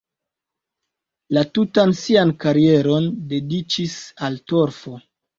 La tutan sian karieron dediĉis al torfo.